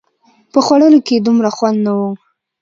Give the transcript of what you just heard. په خوړلو کښې يې دومره خوند نه و.